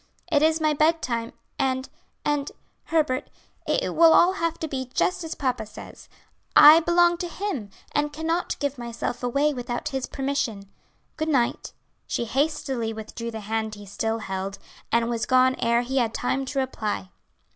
"It is my bed time, and and, Herbert, it will all have to be just as papa says. I belong to him, and cannot give myself away without his permission. Good night." She hastily withdrew the hand he still held, and was gone ere he had time to reply.